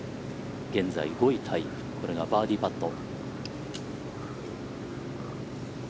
現在５位タイこれがバーディーパット。